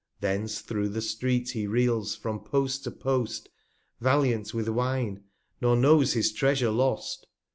Thence thro' the Street he reels, from Post to Post, Valiant with Wine, nor knows his Treasure lost.